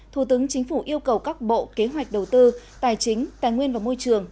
thủ tướng chính phủ yêu cầu các bộ kế hoạch đầu tư tài chính tài nguyên và môi trường